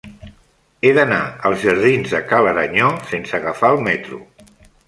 He d'anar als jardins de Ca l'Aranyó sense agafar el metro.